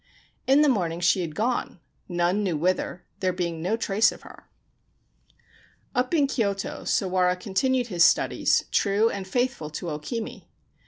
In the morning she had gone, none knew whither, there being no trace of her. Up in Kyoto Sawara continued his studies, true and faithful to O Kimi.